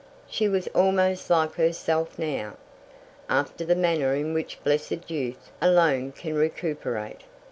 She was almost like herself now, after the manner in which blessed youth alone can recuperate.